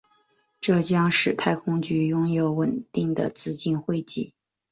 这将使太空局拥有稳定的资金汇集。